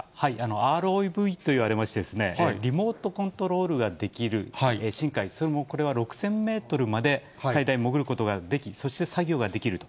ＲＯＶといわれる、リモートコントロールができる深海、それもこれは６０００メートルまで最大潜ることができ、そして作業ができると。